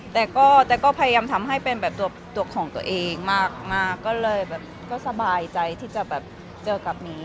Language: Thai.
แต่ก็พยายามทำให้เป็นแบบตัวของตัวเองมากก็เลยแบบก็สบายใจที่จะแบบเจอกับหมี